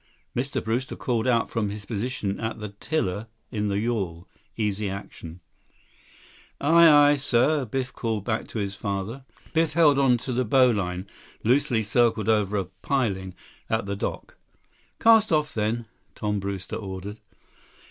Mr. Brewster called out from his position at the tiller in the yawl, Easy Action. "Aye, aye, sir," Biff called back to his father. Biff held on to the bow line, loosely circled over a piling at the dock. "Cast off, then," Tom Brewster ordered.